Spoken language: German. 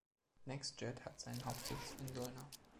NextJet hat seinen Hauptsitz in Solna.